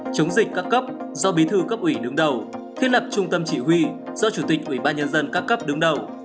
chống dịch các cấp do bí thư cấp ủy đứng đầu thiết lập trung tâm chỉ huy do chủ tịch ủy ban nhân dân các cấp đứng đầu